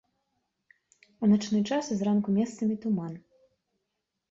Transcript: У начны час і зранку месцамі туман.